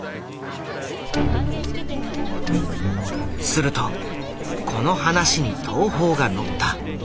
するとこの話に東宝が乗った。